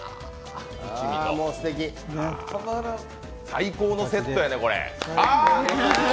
最高のセットやね。